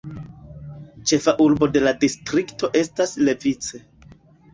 Ĉefa urbo de la distrikto estas Levice.